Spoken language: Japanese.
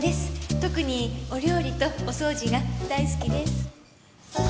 特にお料理とお掃除が大好きです。